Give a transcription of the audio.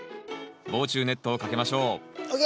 防虫ネットをかけましょうＯＫ！